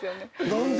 何で？